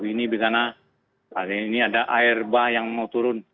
ini ada air bah yang mau turun